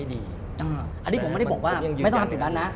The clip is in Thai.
อันนี้ผมไม่ได้บอกว่าไม่ต้องทำจุดนั้นนะ